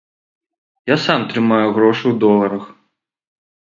Я сам трымаю грошы ў доларах.